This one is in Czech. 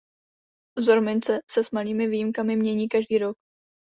Vzor mince se s malými výjimkami mění každý rok.